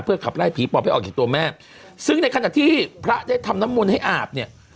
ขับไล่ผีปอบให้ออกจากตัวแม่ซึ่งในขณะที่พระได้ทำน้ำมนต์ให้อาบเนี่ย